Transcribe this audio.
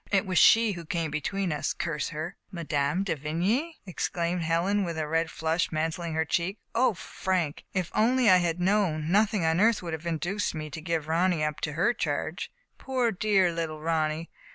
It was she who came between us, curse her !"" Mme. de Vigny !" exclaimed Helen, with a red flush mantling in her cheek, O Frank, if only I had known, nothing on earth would have induced me to give Ronny up into her charge. Poor dear little Ronny